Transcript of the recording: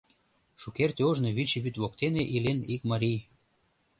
Шукерте ожно Виче вӱд воктене илен ик марий.